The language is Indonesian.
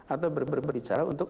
atau berbicara untuk